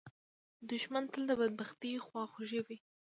دښمن تل د بدبختۍ خواخوږی وي